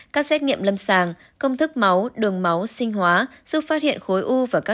các xét nghiệm lâm sàng công thức máu đường máu sinh hóa giúp phát hiện khối u và các